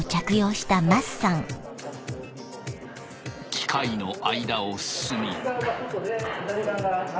機械の間を進み。